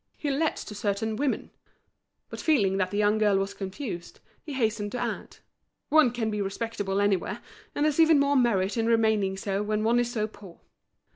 He lets to certain women—" But feeling that the young girl was confused, he hastened to add: "One can be respectable anywhere, and there's even more merit in remaining so when one is so poor."